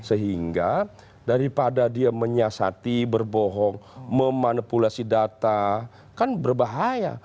sehingga daripada dia menyiasati berbohong memanipulasi data kan berbahaya